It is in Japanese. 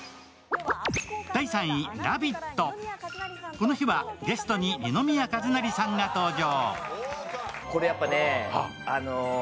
この日はゲストに二宮和也さんが登場。